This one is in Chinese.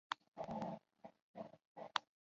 县名来自该郡西南角的一个河口港湾。